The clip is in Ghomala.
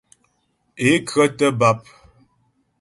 Ě khə́tə̀ bàp.